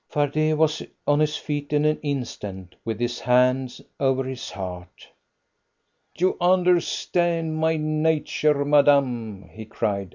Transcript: Fardet was on his feet in an instant, with his hand over his heart. "You understand my nature, madame," he cried.